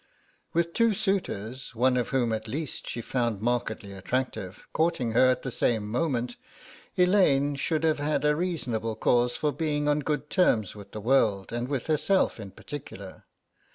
With two suitors, one of whom at least she found markedly attractive, courting her at the same moment, Elaine should have had reasonable cause for being on good terms with the world, and with herself in particular.